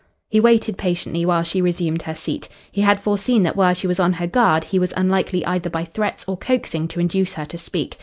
He waited patiently while she resumed her seat. He had foreseen that while she was on her guard he was unlikely either by threats or coaxing to induce her to speak.